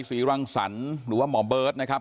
ศรีรังศรหรือว่าหมอเบิ๊ศนะครับ